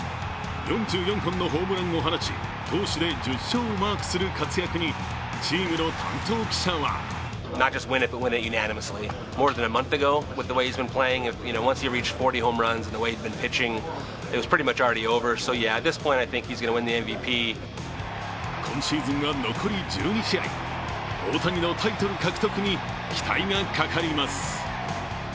４４本のホームランを放ち投手で１０勝をマークする活躍に、チームの担当記者は今シーズンは残り１２試合、大谷のタイトル獲得に期待がかかります。